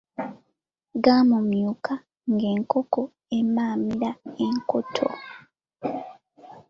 Gaamumyuka ng'enkoko emaamira enkoto.